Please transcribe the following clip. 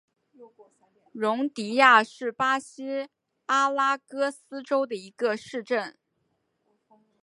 容迪亚是巴西阿拉戈斯州的一个市镇。